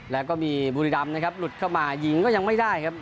แล้วก็มีบุรีรำนะครับหลุดเข้ามายิงก็ยังไม่ได้ครับ